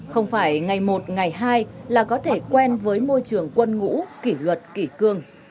không phải ngày một ngày hai là có thể quen với môi trường quân ngũ kỷ luật kỷ cương